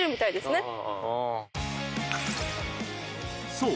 ［そう。